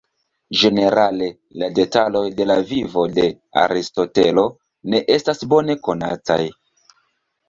Ĝenerale, la detaloj de la vivo de Aristotelo ne estas bone konataj.